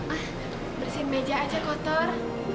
ah bersihin meja aja kotor